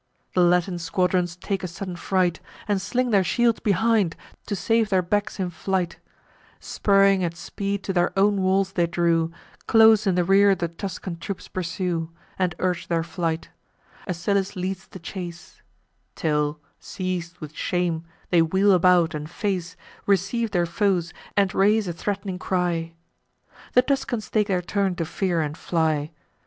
The Latin squadrons take a sudden fright, And sling their shields behind, to save their backs in flight Spurring at speed to their own walls they drew; Close in the rear the Tuscan troops pursue, And urge their flight: Asylas leads the chase; Till, seiz'd, with shame, they wheel about and face, Receive their foes, and raise a threat'ning cry. The Tuscans take their turn to fear and fly.